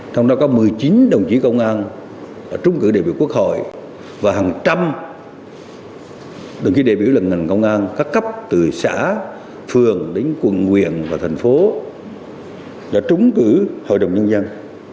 trong đó có một mươi chín đồng chí công an đã trúng cử đại biểu quốc hội và hàng trăm đồng chí đại biểu lần ngành công an các cấp từ xã phường đến quận nguyện và thành phố đã trúng cử hội đồng dân dân